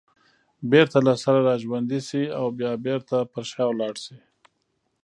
بېرته له سره راژوندي شي او بیا بېرته پر شا لاړ شي